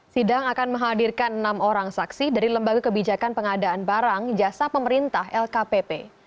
sidang akan menghadirkan enam orang saksi dari lembaga kebijakan pengadaan barang jasa pemerintah lkpp